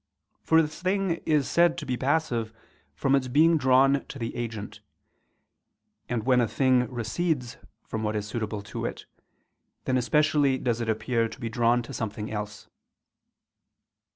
For a thing is said to be passive from its being drawn to the agent: and when a thing recedes from what is suitable to it, then especially does it appear to be drawn to something else.